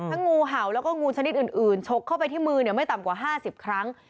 งูเห่าแล้วก็งูชนิดอื่นฉกเข้าไปที่มือไม่ต่ำกว่า๕๐ครั้ง